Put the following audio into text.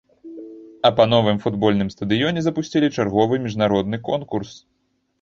А па новым футбольным стадыёне запусцілі чарговы міжнародны конкурс.